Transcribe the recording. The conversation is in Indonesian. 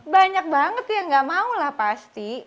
banyak banget yang gak mau lah pasti